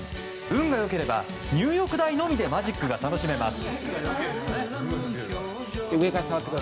運が良ければ、入浴代のみでマジックが楽しめます。